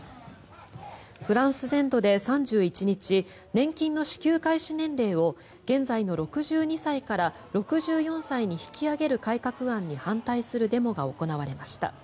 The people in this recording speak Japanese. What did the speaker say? フランス全土で３１日年金の支給開始年齢を現在の６２歳から６４歳に引き上げる改革案に反対するデモが行われました。